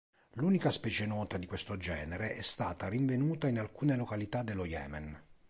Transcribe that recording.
L'unica specie nota di questo genere è stata rinvenuta in alcune località dello Yemen.